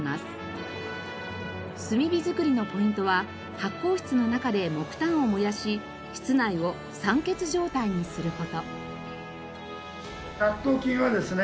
炭火造りのポイントは発酵室の中で木炭を燃やし室内を酸欠状態にする事。